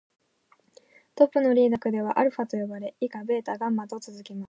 トップのリーダーは犬の行動学ではアルファと呼ばれ、以下ベータ、ガンマと続きます。